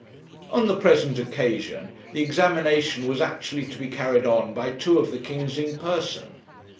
On the present occasion the examination was actually to be carried on by two of the kings in person.